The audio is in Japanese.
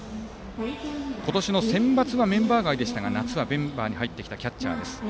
今年のセンバツはメンバー外でしたが夏はメンバーに入ってきたキャッチャーです。